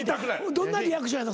どんなリアクションやった？